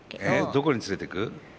どこに連れてく？